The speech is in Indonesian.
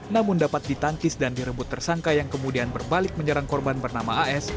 namun dapat ditangkis dan direbut tersangka yang kemudian berbalik menyerang korban bernama as